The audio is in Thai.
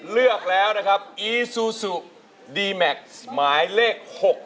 เลือกแล้วนะครับอีซูซูดีแม็กซ์หมายเลข๖